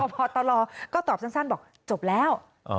พตรก็ตอบสั้นบอกจบแล้ว